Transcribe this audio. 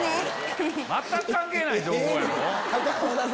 全く関係ない情報やろ。